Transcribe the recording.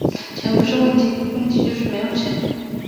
钱不是问题，问题就是没有钱